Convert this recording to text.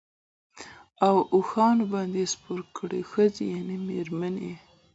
او اوښانو باندي سپور کړی وې، ښځي يعني ميرمنې